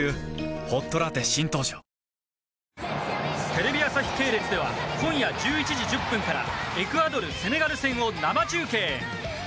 テレビ朝日系列では今夜１１時１０分からエクアドル、セネガル戦を生中継！